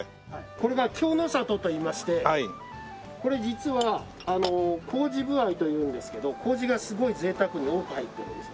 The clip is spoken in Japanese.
これが京の里といいましてこれ実はあの麹歩合というんですけど麹がすごい贅沢に多く入ってるみそです。